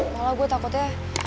malah gue takut ya